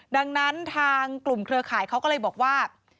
ดังนั้นทางกลุ่มเครือข่ายเขาก็เลยบอกว่า